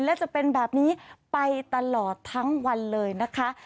และจะเป็นแบบนี้ไปตลอดทั้งวันเลยนะคะ